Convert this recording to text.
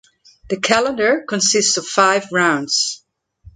The calendar consists of five rounds.